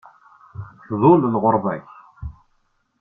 Tḍul lɣerba-k.